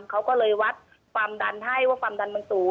เขาก็เลยวัดความดันให้ว่าความดันมันสูง